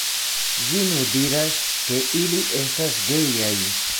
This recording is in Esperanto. Ĝi nur diras, ke ili estas gejaj.